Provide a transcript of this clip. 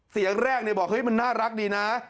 เสียงแรกบอกเฮ้ยมันน่ารักดีนะ